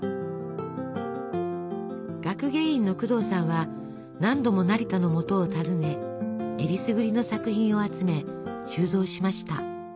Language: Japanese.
学芸員の工藤さんは何度も成田のもとを訪ねえりすぐりの作品を集め収蔵しました。